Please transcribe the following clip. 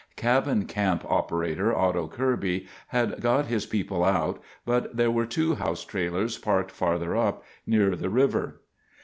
Cabin camp operator Otto Kirby had got his people out, but there were two house trailers parked farther up, near the river.